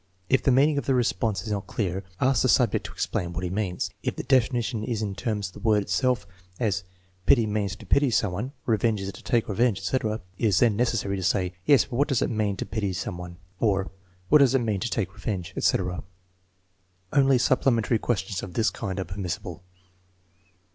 If the meaning of the response is not clear, ask the subject to explain what he means. If the definition is in terms of the word itself, as " Pity means to pity someone," " Re venge is to take revenge," etc., it is then necessary to say: " Yes, but what does it mean to pity some one? " or, ? What does it mean to take revenge ?" etc. Only supplementary questions of this kind are permissible.